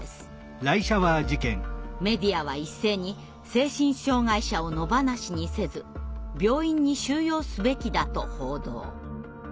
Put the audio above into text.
メディアは一斉に「精神障害者を野放しにせず病院に収容すべきだ」と報道。